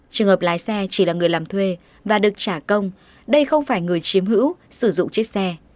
trường hợp lái xe chỉ là người làm thuê và được trả công đây không phải người chiếm hữu sử dụng chiếc xe